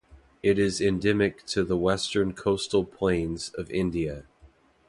It is endemic to the Western Coastal Plains of India.